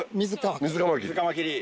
ミズカマキリ。